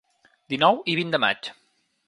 Dinou i vint de maig.